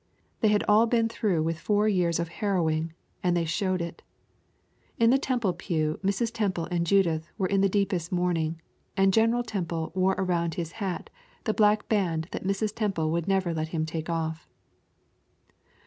They had all been through with four years of harrowing, and they showed it. In the Temple pew Mrs. Temple and Judith were in the deepest mourning, and General Temple wore around his hat the black band that Mrs. Temple would never let him take off.